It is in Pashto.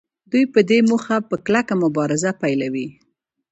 دوی په دې موخه په کلکه مبارزه پیلوي